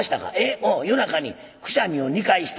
おう夜中にくしゃみを２回した？